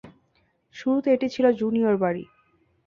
শুরুতে এটি ছিল একটি জুনিয়র বাড়ি।